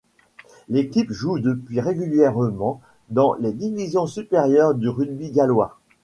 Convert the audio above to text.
L'équipe joue depuis régulièrement dans les divisions supérieures du rugby gallois.